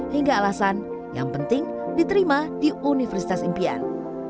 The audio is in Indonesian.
hingga alasan yang penting diterima di universitas impian